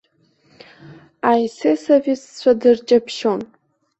Аесесовеццәа дырҷаԥшьон.